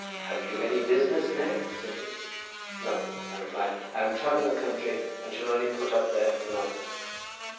'" "Have you any business there?" said he. "No," I replied, "I am travelling the country, and shall only put up there for the night."